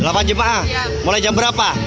delapan jemaah mulai jam berapa